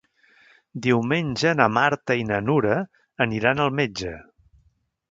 Diumenge na Marta i na Nura aniran al metge.